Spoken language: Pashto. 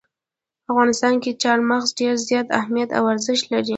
په افغانستان کې چار مغز ډېر زیات اهمیت او ارزښت لري.